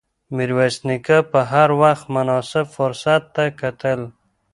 میرویس نیکه به هر وخت مناسب فرصت ته کتل.